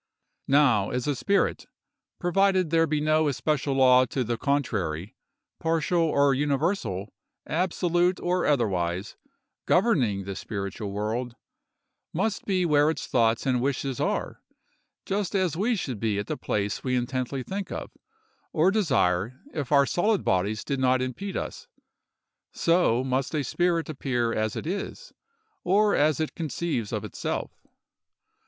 Now, as a spirit—provided there be no especial law to the contrary, partial or universal, absolute or otherwise, governing the spiritual world—must be where its thoughts and wishes are, just as we should be at the place we intently think of, or desire, if our solid bodies did not impede us, so must a spirit appear as it is, or as it conceives of itself.